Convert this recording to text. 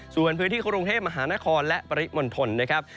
สู่เบิร์นพื้นที่กรุงเทพฯมหานครและประหริมลทนนะครับ